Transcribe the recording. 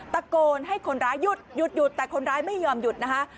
ตะโกนให้คนร้ายหยุดหยุดแต่คนร้ายไม่ยอมหยุดนะคะ